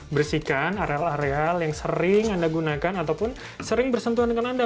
bersihkan areal areal yang sering anda gunakan ataupun sering bersentuhan dengan anda